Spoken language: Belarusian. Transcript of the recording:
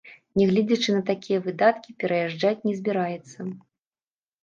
Нягледзячы на такія выдаткі, пераязджаць не збіраецца.